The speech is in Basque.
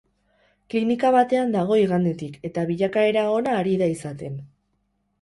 Klinika batean dago igandetik, eta bilakaera ona ari da izaten.